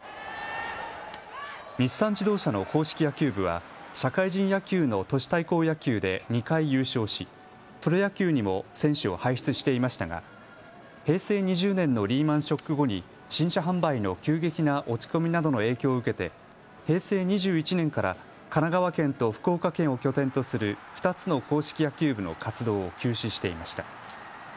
日産自動車の硬式野球部は社会人野球の都市対抗野球で２回優勝しプロ野球にも選手を輩出していましたが平成２０年のリーマンショック後に新車販売の急激な落ち込みなどの影響を受けて平成２１年から神奈川県と福岡県を拠点とする２つの硬式野球部の活動を休止していました。